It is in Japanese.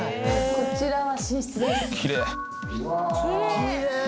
こちらは寝室です。